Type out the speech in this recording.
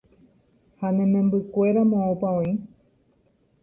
ha ne membykuéra moõpa oĩ